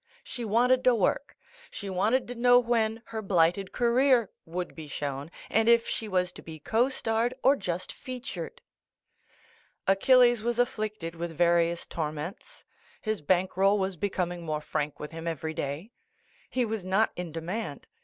She wanted to work. She wanted to know when "Her Blighted Career" would be shown, and if she was to be co starred or just featured. Achilles was afflicted with various tor ments. His bank roll was becoming more frank with him every day. He was not in demand.